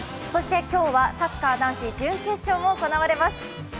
今日はサッカー男子準決勝が行われます。